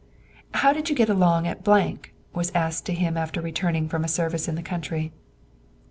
"How did you get along at ——?" was asked him after returning from a service in the country.